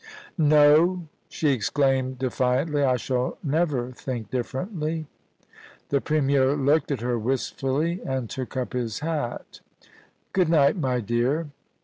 * No,* she exclaimed defiantly ;* I shall never think dif ferently.* The Premier looked at her wistfully, and took up his hat * Good night, my dear.